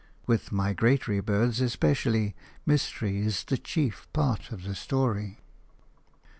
With migratory birds especially, mystery is the chief part of the story.